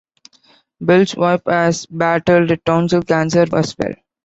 Bell's wife has battled tonsil cancer as well.